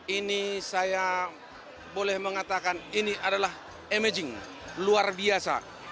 ini saya boleh mengatakan ini adalah emaging luar biasa